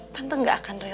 tante gak akan berhenti